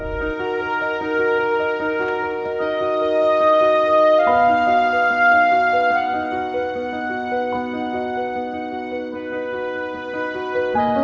tidak ada yang bisa dipercaya